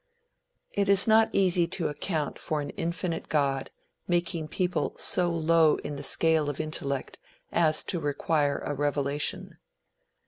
It is not easy to account for an infinite God making people so low in the scale of intellect as to require a revelation.